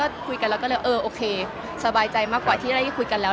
ก็คุยกันแล้วก็เลยเออโอเคสบายใจมากกว่าที่ได้คุยกันแล้ว